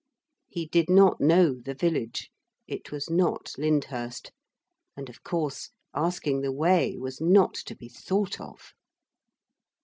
He did not know the village. It was not Lyndhurst. And of course asking the way was not to be thought of.